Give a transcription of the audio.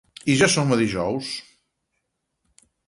I ja som dijous.